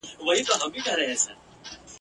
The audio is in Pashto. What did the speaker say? زما لحد پر کندهار کې را نصیب لیدل د یار کې ..